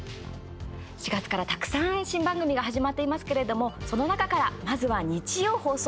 ４月から、たくさん新番組が始まっていますけれどもその中から、まずは日曜放送